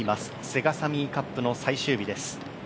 セガサミーカップの最終日です。